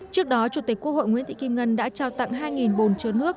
trước đó chủ tịch quốc hội nguyễn thị kim ngân đã trao tặng hai bồn chứa nước